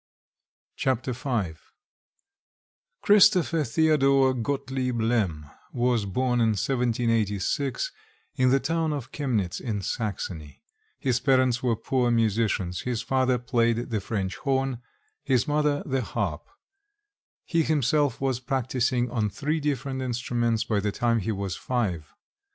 Chapter V Christopher Theodor Gottlieb Lemm was born in 1786 in the town of Chemnitz in Saxony. His parents were poor musicians. His father played the French horn, his mother the harp; he himself was practising on three different instruments by the time he was five.